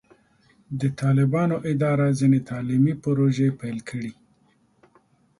د طالبانو اداره ځینې تعلیمي پروژې پیل کړې.